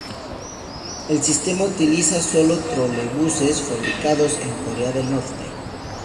El sistema utiliza sólo trolebuses fabricados en Corea del Norte.